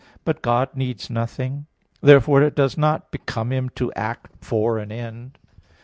But God needs nothing. Therefore it does not become Him to act for an end.